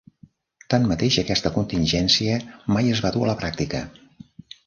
Tanmateix, aquesta contingència mai es va dur a la pràctica.